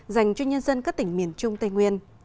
dành cho nhân dân các tỉnh miền trung tây nguyên